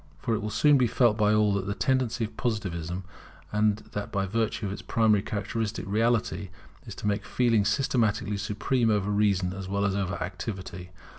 For it will soon be felt by all that the tendency of Positivism, and that by virtue of its primary characteristic, reality, is to make Feeling systematically supreme over Reason as well as over Activity.